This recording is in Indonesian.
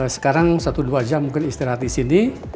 sekarang satu dua jam mungkin istirahat di sini